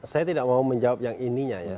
saya tidak mau menjawab yang ininya ya